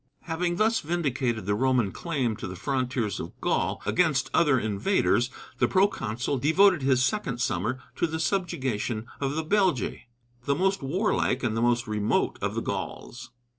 Having thus vindicated the Roman claim to the frontiers of Gaul against other invaders, the proconsul devoted his second summer to the subjugation of the Belgæ, the most warlike and the most remote of the Gauls.